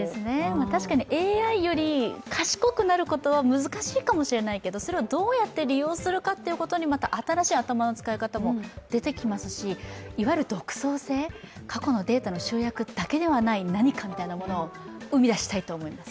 確かにＡＩより賢くなることは難しいかもしれないけどそれをどうやって利用するかに新しい頭の使い方も生まれますしいわゆる独創性、過去のデータの集約だけではない何かみたいなものを生み出したいと思います。